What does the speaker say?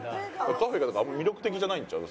カフェとかあんま魅力的じゃないんちゃう？